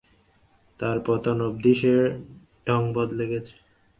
তাঁর পতন অবধি সে ঢঙ বদলে গেছে।